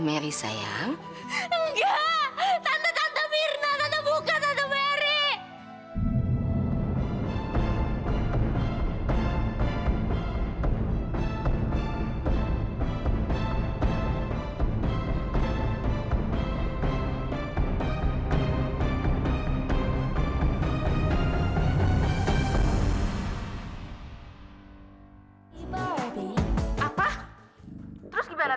pokoknya berubah couple ulang